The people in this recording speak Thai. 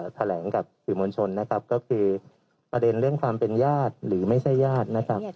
แถลงกับสื่อมวลชนนะครับก็คือประเด็นเรื่องความเป็นญาติหรือไม่ใช่ญาตินะครับ